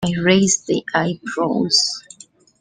I raised the eyebrows.